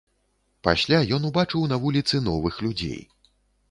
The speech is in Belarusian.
Пасля ён убачыў на вуліцы новых людзей.